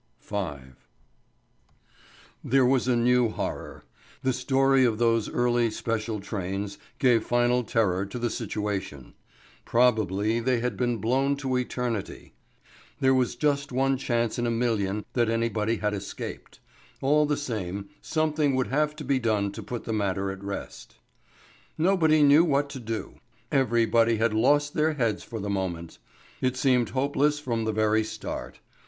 V. There was a new horror. The story of those early special trains gave the final terror to the situation. Probably they had been blown to eternity. There was just one chance in a million that anybody had escaped. All the same, something would have to be done to put the matter at rest. Nobody knew what to do; everybody had lost their heads for the moment. It seemed hopeless from the very start.